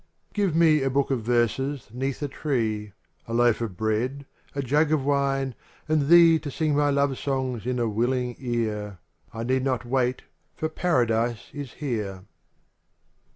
xn Give me a book of verses 'neath a tree, A loaf of bread* a jug of wine and thee To sing thy love songs in a willing ear, I need not wait, for Paradise is here.